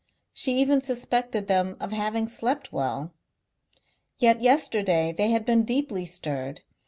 She even suspected them of having slept well. Yet yesterday they had been deeply stirred.